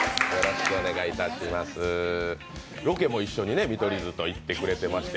ロケも一緒に見取り図といってくれまして。